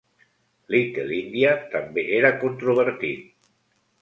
"Little India" també era controvertit.